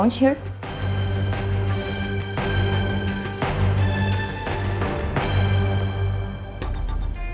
tunggu sebentar ya pak